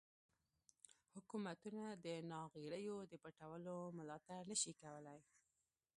حکومتونه د ناغیړیو د پټولو ملاتړ نشي کولای.